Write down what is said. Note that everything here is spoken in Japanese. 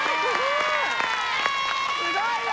すごいよ！